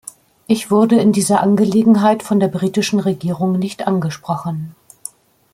Ich wurde in dieser Angelegenheit von der britischen Regierung nicht angesprochen.